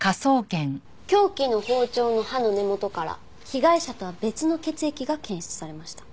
凶器の包丁の刃の根元から被害者とは別の血液が検出されました。